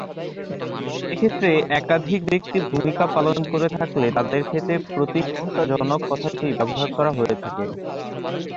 এক্ষেত্রে একাধিক ব্যক্তি ভূমিকা পালন করে থাকলে তাদের ক্ষেত্রে প্রতিষ্ঠাতা জনক কথাটি ব্যবহার করা হয়ে থাকে।